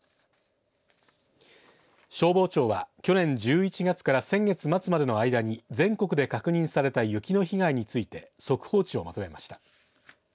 消防庁は去年１１月から先月末までの間に全国で確認された雪の被害について速報値をまとめました。